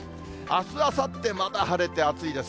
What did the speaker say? あす、あさってまた晴れて暑いです。